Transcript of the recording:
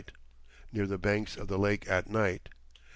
near the banks of the lake at night.